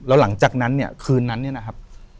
แล้วหลังจากนั้นเนี่ยคืนนั้นเนี่ยนะครับ